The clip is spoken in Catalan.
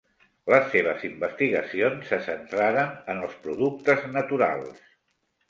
Les seves investigacions se centraren en els productes naturals.